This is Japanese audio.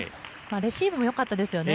レシーブもよかったですよね。